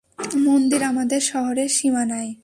মন্দির আমাদের শহরের সীমানায়।